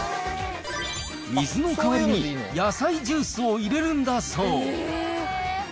水の代わりに、野菜ジュースを入れるんだそう。